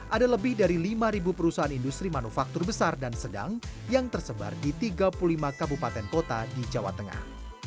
ada lebih dari lima perusahaan industri manufaktur besar dan sedang yang tersebar di tiga puluh lima kabupaten kota di jawa tengah